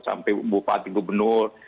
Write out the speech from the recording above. sampai bupati gubernur